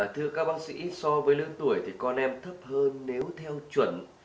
thưa các bác sĩ so với lứa tuổi thì con em thấp hơn nếu theo chuẩn